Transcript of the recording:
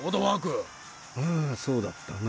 ああそうだったな。